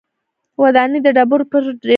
ودانۍ د ډبرو پر ډېرۍ بدلې شوې